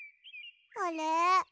あれ？